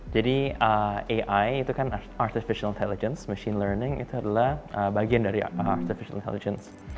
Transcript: jadi ai itu kan artificial intelligence machine learning itu adalah bagian dari artificial intelligence